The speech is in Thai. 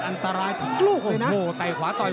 โอ้โอ้โอ้โอ้โอ้